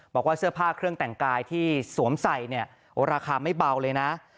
บอกว่าเสื้อผ้าเครื่องแต่งกายที่สวมใส่เนี่ยราคาไม่เบาเลยนะ